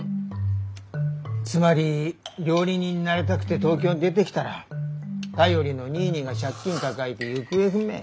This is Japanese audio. つまり料理人になりたくて東京に出てきたら頼りのニーニーが借金抱えて行方不明。